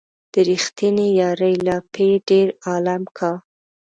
د ريښتينې يارۍ لاپې ډېر عالم کا